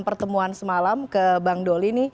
pertemuan semalam ke bang doli